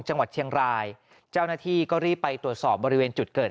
จังหวัดเชียงรายเจ้าหน้าที่ก็รีบไปตรวจสอบบริเวณจุดเกิด